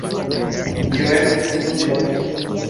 Tio estus tute logika.